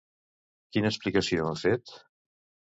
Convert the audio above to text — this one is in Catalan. Quina explicació han fet?